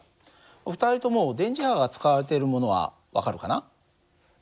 ２人とも電磁波が使われてるものは分かるかな？